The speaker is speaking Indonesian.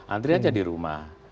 antrian saja di rumah